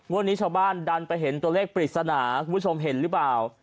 วันนี้ชาวบ้านดันไปเห็นตัวเลขปริศนาคุณผู้ชมเห็นหรือเปล่า